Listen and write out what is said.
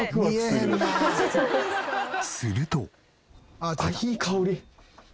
すると。